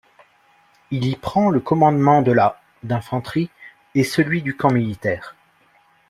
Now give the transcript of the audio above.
Il y prend le commandement de la d’infanterie et celui du camp militaire.